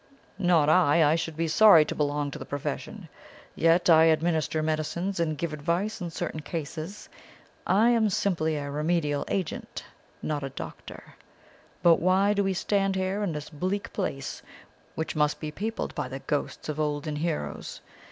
'Not I! I should be sorry to belong to the profession. Yet I administer medicines and give advice in certain cases. I am simply a remedial agent not a doctor. But why do we stand here in this bleak place, which must be peopled by the ghosts of olden heroes?